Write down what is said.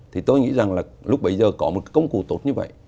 thì tôi nghĩ rằng là lúc bấy giờ có một công cụ tốt như vậy